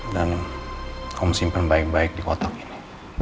dan kamu simpan baik baik di kotak ini